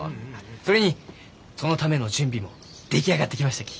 それにそのための準備も出来上がってきましたき。